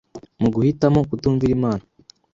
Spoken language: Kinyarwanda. mu guhitamo kutumvira Imana